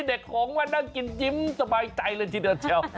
เด็กหงว์มานั่งกินจิ้มสบายใจเลยจินเตอร์เชียว